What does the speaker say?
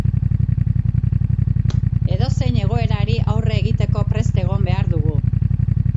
Edozein egoerari aurre egiteko prest egon behar dugu.